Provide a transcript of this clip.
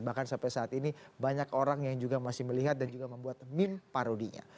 bahkan sampai saat ini banyak orang yang juga masih melihat dan juga membuat meme parodinya